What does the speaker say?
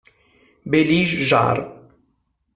Belyj Jar